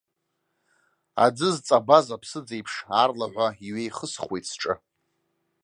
Аӡы зҵабаз аԥсыӡ аиԥш аарлаҳәа иҩеихысхуеит сҿы.